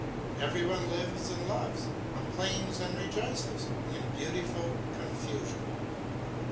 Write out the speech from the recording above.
Every one lives and loves, complains and rejoices, in beautiful confusion.